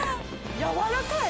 やわらかい！